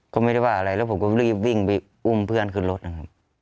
ก็ไม่ได้ว่าอะไรแล้วผมก็รีบวิ่งไปอุ้มเพื่อนขึ้นรถนะครับ